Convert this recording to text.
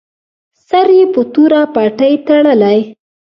سر یې په توره پټۍ تړلی.